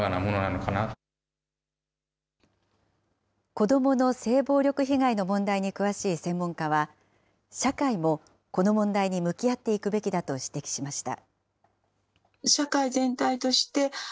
子どもの性暴力被害の問題に詳しい専門家は、社会もこの問題に向き合っていくべきだと指摘しました。